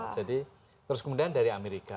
jadi terus kemudian dari amerika